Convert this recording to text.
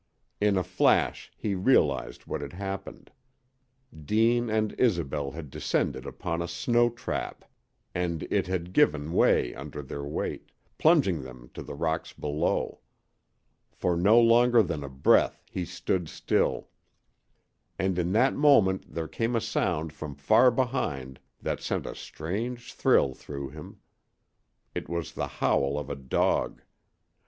In a flash he realized what had happened. Deane and Isobel had descended upon a "snow trap," and it had given way under their weight, plunging them to the rocks below. For no longer than a breath he stood still, and in that moment there came a sound from far behind that sent a strange thrill through him. It was the howl of a dog.